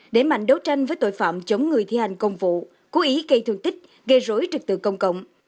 để mạnh đấu tranh với tội phạm chống người thi hành công vụ cố ý cây thường tích gây rối trật tự công cộng